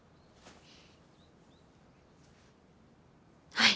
はい。